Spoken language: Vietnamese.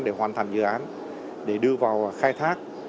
để hoàn thành dự án để đưa vào khai thác